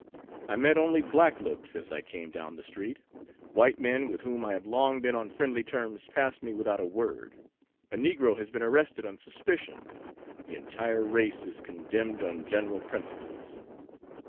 I met only black looks as I came down the street. White men with whom I have long been on friendly terms passed me without a word. A negro has been arrested on suspicion, the entire race is condemned on general principles."